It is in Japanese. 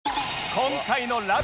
今回の『ラブ！！